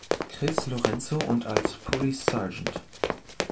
Chris Lorenzo und als Police Sgt.